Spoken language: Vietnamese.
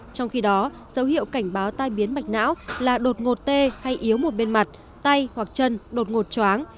trong khi đó dấu hiệu cảnh báo tai biến mạch não là đột ngột tê hay yếu một bên mặt tay hoặc chân đột ngột choáng